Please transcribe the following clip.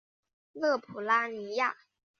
勒普拉尼亚。